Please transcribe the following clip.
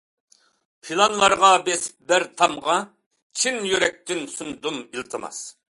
پىلانلارغا بېسىپ بەر تامغا، چىن يۈرەكتىن سۇندۇم ئىلتىماس.